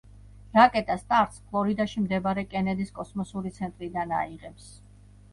რაკეტა სტარტს ფლორიდაში მდებარე კენედის კოსმოსური ცენტრიდან აიღებს.